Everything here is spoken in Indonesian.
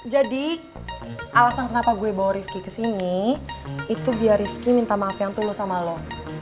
jadi alasan kenapa gue bawa rifki kesini itu biar rifki minta maaf yang tuh lo sama lo